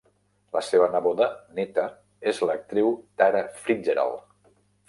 La seva neboda neta és l'actriu Tara Fitzgerald.